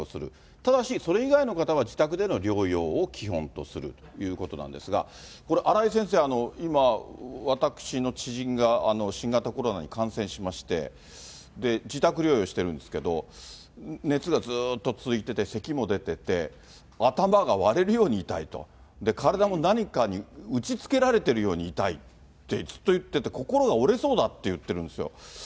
ただし、それ以外の方は自宅での療養を基本とするということなんですが、これ、荒井先生、今、私の知人が新型コロナに感染しまして、自宅療養してるんですけど、熱がずっと続いてて、せきも出てて、頭が割れるように痛いと、体も何かに打ちつけられてるように痛いって、ずっと言ってて、心が折れそうだって言ってるんですよ。